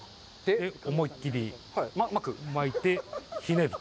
思いっ切りまいて、ひねると。